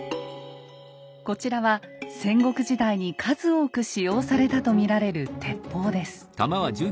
こちらは戦国時代に数多く使用されたと見られる鉄砲です。